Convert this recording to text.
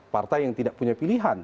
partai yang tidak punya pilihan